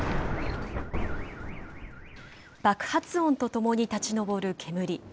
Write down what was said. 爆発音とともに立ち上る煙。